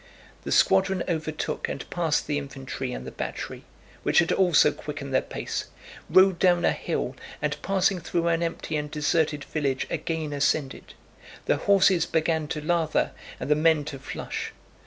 The squadron overtook and passed the infantry and the battery—which had also quickened their pace—rode down a hill, and passing through an empty and deserted village again ascended. The horses began to lather and the men to flush.